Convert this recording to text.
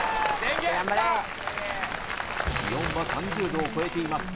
気温は３０度を超えています